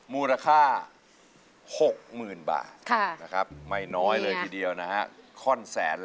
มาฟังกันเลยขึ้น